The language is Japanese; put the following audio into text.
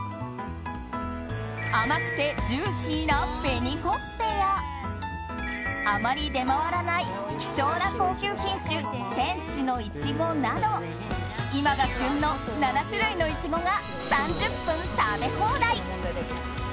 甘くてジューシーな紅ほっぺやあまり出回らない希少な高級品種天使のいちごなど今が旬の７種類のイチゴが３０分食べ放題。